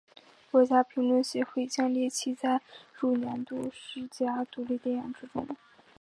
国家评论协会将其列入年度十佳独立电影之中。